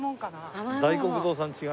大黒堂さん違う？